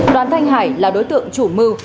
đoàn thanh hải là đối tượng chủ mưu